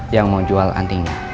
yang mau jual antingnya